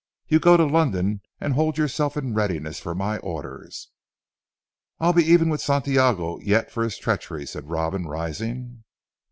You go to London, and hold yourself in readiness for my orders." "I'll be even with Santiago yet for his treachery," said Robin rising.